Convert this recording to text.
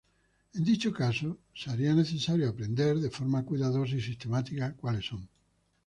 En dicho caso se haría necesario aprender de forma cuidadosa y sistemática cuáles son.